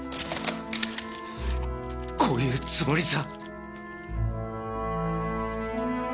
こういうつもりさ。